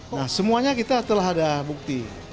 nah semuanya kita telah ada bukti